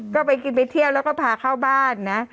ก็ไปกินไปเที่ยวแล้วก็พาเข้าบ้านนะ